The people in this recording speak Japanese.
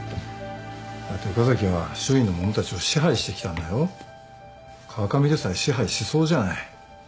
だって岡崎は周囲の者たちを支配してきたんだよ。川上でさえ支配しそうじゃない。